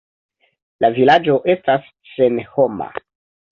La vilaĝo estas senhoma.